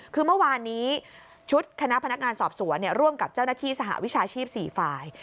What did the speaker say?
คือเมื่อวานนี้ชุดคณะพนักงานสอบสวนร่วมกับเจ้าหน้าที่สหวิชาชีพ๔ฝ่าย